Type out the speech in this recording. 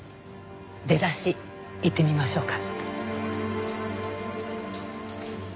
出だし言ってみましょうか。